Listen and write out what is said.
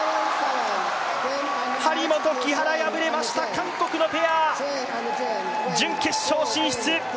張本・木原、敗れました韓国のペア、準決勝進出！